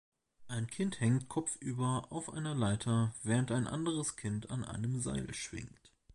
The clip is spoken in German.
Ein Kind hängt kopfüber auf einer Leiter, während ein anderes Kind an einem Seil schwingt.